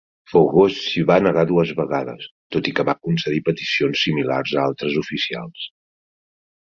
Fourgeoud s'hi va negar dues vegades, tot i que va concedir peticions similars a altres oficials.